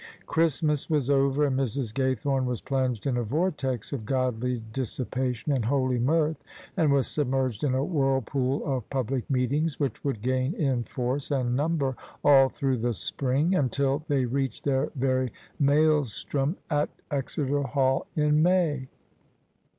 Christmas was over, and Mrs. Gaythome was plunged in a vortex of godly dis sipation and holy mirth ; and was submerged in a whirlpool of public meetings, which would gain in force and number all through the spring, until they reached their very mael strom at Exeter Hall in May.